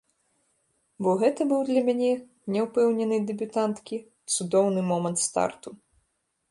Бо гэта быў для мяне, няўпэўненай дэбютанткі, цудоўны момант старту.